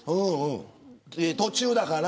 途中だから。